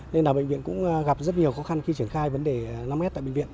nên là bệnh viện cũng gặp rất nhiều khó khăn khi triển khai vấn đề năm s tại bệnh viện